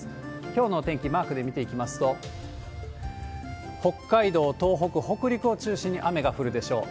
きょうのお天気、マークで見ていきますと、北海道、東北、北陸を中心に雨が降るでしょう。